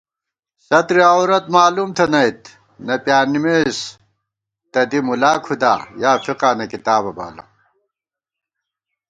سترِ عورت مالُوم تھنَئیت، نہ پیانِمېس تہ دی مُلاکُھدا یافِقانہ کِتابہ بالہ